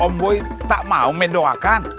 om boy tak mau mendoakan